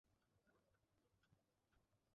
এ জন্যই আমরা লেজ ব্যবহার করি।